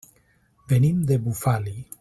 Venim de Bufali.